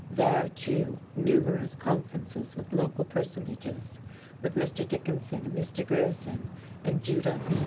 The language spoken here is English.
There were, too, numerous conferences with local personages, with Mr. Dickinson and Mr. Grierson, and Judah B.